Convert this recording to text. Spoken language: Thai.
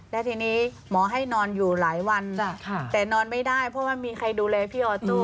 และทีนี้หมอให้นอนอยู่หลายวันแต่นอนไม่ได้เพราะว่ามีใครดูแลพี่ออโต้